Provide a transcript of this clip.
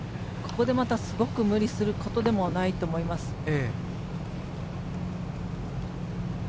ここですごく無理することでもないと思います。